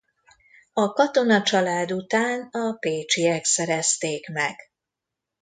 A Katona család után a Péchyek szerezték meg.